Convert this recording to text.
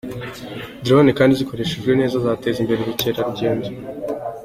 Drone kandi zikoreshejwe neza zateza imbere ubukerarugendo.